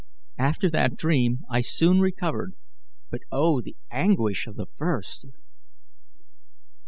After that dream I soon recovered; but oh, the anguish of the first!"